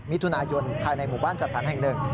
มิถุนายนภายในหมู่บ้านจัดสรรแห่งหนึ่ง